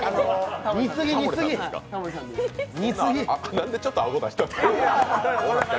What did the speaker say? なんでちょっと顎出したんだ？